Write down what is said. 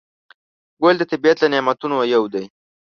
ګل د طبیعت له نعمتونو یو دی.